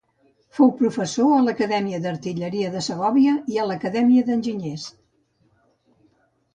Fou professor a l'Acadèmia d'Artilleria de Segòvia i a l'Acadèmia d'Enginyers.